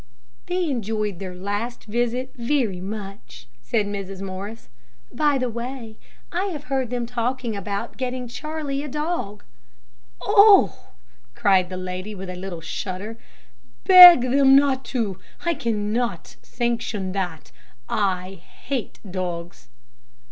"They enjoyed their last visit very much," said Mrs. Morris. "By the way, I have heard them talking about getting Charlie a dog." "Oh!" cried the lady, with a little shudder, "beg them not to. I cannot sanction that. I hate dogs."